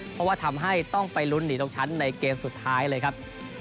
เพราะว่าทำให้ต้องไปลุ้นหนีตกชั้นในเกมสุดท้ายเลยครับ